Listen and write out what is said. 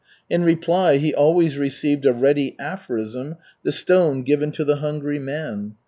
In reply he always received a ready aphorism, the stone given to the hungry man.